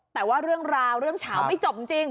แต่ว่าเรื่องราวเรื่องเฉาไม่จบจริง